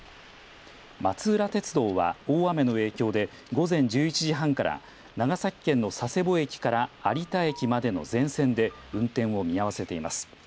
松浦鉄道は、大雨の影響で午前１１時半から長崎県の佐世保駅から有田駅までの全線で運転を見合わせています。